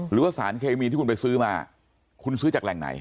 หรือว่าสารเคมีที่คุณไปซื้อมาคุณซื้อจากแหล่งไหน